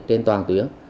trên toàn tuyến